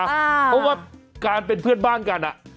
อ๋อเสียบกับการเป็นเพื่อนบ้างกันน่ะ